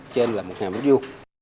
cho nên là một ngày mới vui